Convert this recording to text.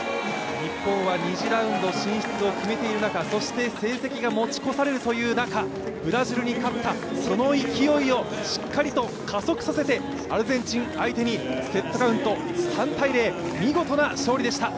日本は２次ラウンド進出を決めている中そして成績が持ち越されるという中、ブラジルに勝った、その勢いをしっかりと、加速させて、アルゼンチン相手にセットカウント３−０見事な勝利でした。